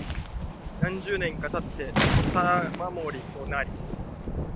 何十年か経ってから土佐守（いまの高知県知事）となり、